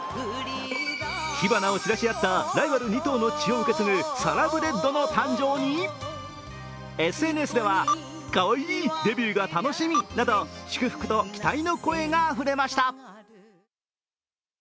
火花を散らし合ったライバル２頭の血を受け継ぐサラブレッドの誕生に、ＳＮＳでは祝福と期待の声があふれました。